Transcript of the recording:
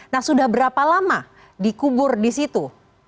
nah sudah berapa lama dikubur di situ